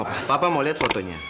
papa mau lihat fotonya